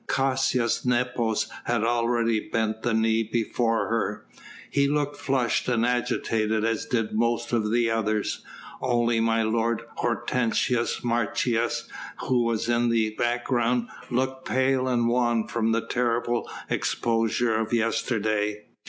Caius Nepos had already bent the knee before her. He looked flushed and agitated as did most of the others, only my lord Hortensius Martius who was in the background, looked pale and wan from the terrible exposure of yesterday.